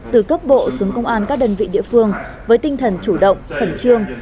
từ cấp bộ xuống công an các đơn vị địa phương với tinh thần chủ động khẩn trương